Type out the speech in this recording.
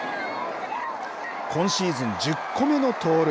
今シーズン１０個目の盗塁。